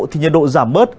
thì nhiệt độ giảm mất